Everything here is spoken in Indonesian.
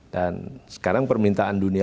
dan sekarang permintaan dunia